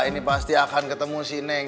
ini pasti akan ketemu si neng